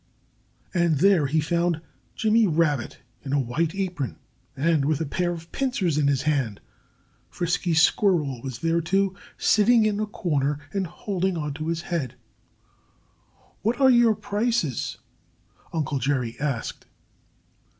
And there he found Jimmy Rabbit, in a white apron, and with a pair of pincers in his hand. Frisky Squirrel was there, too, sitting in a corner and holding onto his head. "What are your prices?" Uncle Jerry asked.